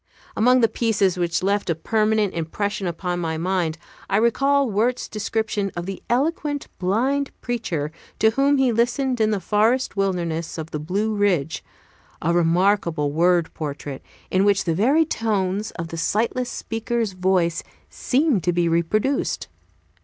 Among the pieces which left a permanent impression upon my mind I recall Wirt's description of the eloquent blind preacher to whom he listened in the forest wilderness of the Blue Ridge, a remarkable word portrait, in which the very tones of the sightless speaker's voice seemed to be reproduced.